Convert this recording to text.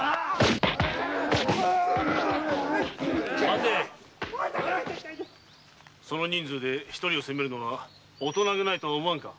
・待てその人数で一人を痛めるとは大人気ないとは思わぬか。